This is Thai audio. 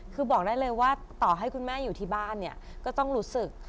คือบอกได้เลยว่าต่อให้คุณแม่อยู่ที่บ้านเนี่ยก็ต้องรู้สึก